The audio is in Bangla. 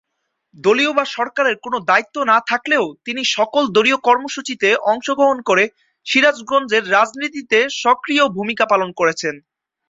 দলীয় বা সরকারের কোন দায়িত্ব না থাকলেও তিনি সকল দলীয় কর্মসূচীতে অংশ গ্রহণ করে সিরাজগঞ্জের রাজনীতিতে সক্রিয় ভুমিকা পালন করেছেন।